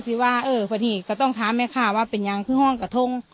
ว่าเออพอดีก็ต้องถามแม่ค้าว่าเป็นยังคือห้องกระทง